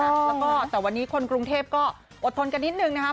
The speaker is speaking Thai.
แล้วก็แต่วันนี้คนกรุงเทพก็อดทนกันนิดนึงนะครับ